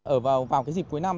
ở vào cái dịp cuối năm